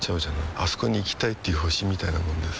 あそこに行きたいっていう星みたいなもんでさ